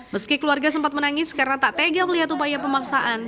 meski keluarga sempat menangis karena tak tega melihat upaya pemaksaan